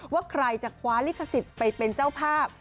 ว่าใครจะคว้าลิขสิทธิ์ไปเป็นเจ้าภาพ